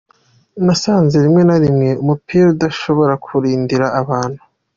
"Nasanze rimwe na rimwe umupira udashobora kurindira abantu.